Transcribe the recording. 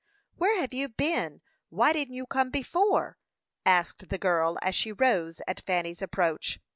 "Where have you been? Why didn't you come before?" asked the girl, as she rose at Fanny's approach.